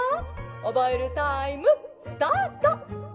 おぼえるタイムスタート！」。